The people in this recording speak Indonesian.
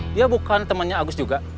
dia bukan temannya agus juga